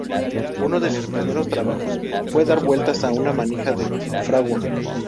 Uno de sus primeros trabajos fue dar vueltas a una manija de fragua.